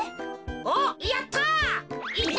おっやった！